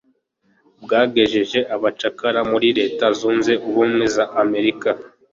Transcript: bwagejeje abacakara muri Leta Zunze Ubumwe z'Amerika